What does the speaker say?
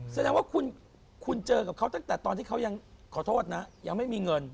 แสดงว่าคุณเจอกับเขาตั้งแต่ตอนที่เขายังขอโทษนะยังไม่มีเงิน